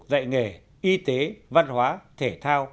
dạy nghề y tế văn hóa thể thao